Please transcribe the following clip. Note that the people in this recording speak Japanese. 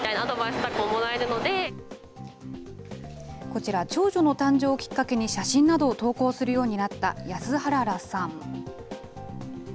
こちら、長女の誕生をきっかけに、写真などを投稿するようになった、やすはららさん。